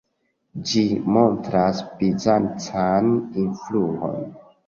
Ĝi montras bizancan influon.